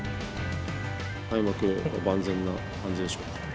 開幕は万全な感じでしょうか？